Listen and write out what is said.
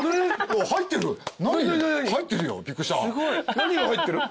何が入ってる？